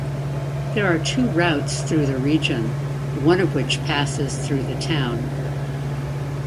There are two routes through the region, one of which passes through the town.